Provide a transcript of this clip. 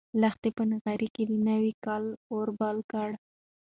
لښتې په نغري کې د نوي کال اور بل کړ.